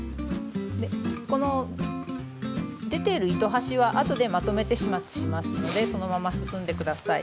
この出ている糸端はあとでまとめて始末しますのでそのまま進んで下さい。